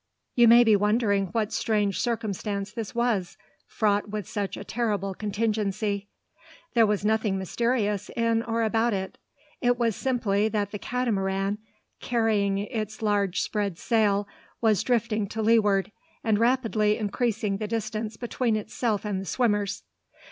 You may be wondering what strange circumstance this was, fraught with such a terrible contingency. There was nothing mysterious in or about it. It was simply that the Catamaran, carrying its large spread sail, was drifting to leeward, and rapidly increasing the distance between itself and the swimmers.